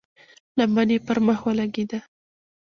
لمن يې پر مخ ولګېده.